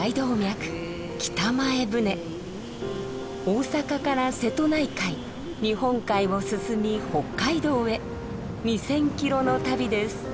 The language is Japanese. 大坂から瀬戸内海日本海を進み北海道へ２，０００キロの旅です。